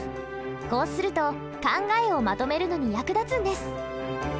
こうすると考えをまとめるのに役立つんです。